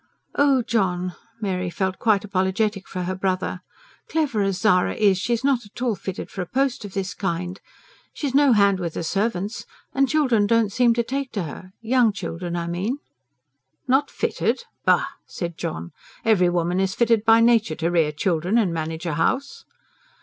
"Oh, John... " Mary felt quite apologetic for her brother. "Clever as Zara is, she's not at all fitted for a post of this kind. She's no hand with the servants, and children don't seem to take to her young children, I mean." "Not fitted? Bah!" said John. "Every woman is fitted by nature to rear children and manage a house."